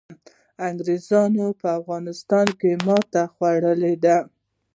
انګریزانو په افغانستان کي ماتي خوړلي ده.